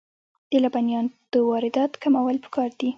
د لبنیاتو واردات کمول پکار دي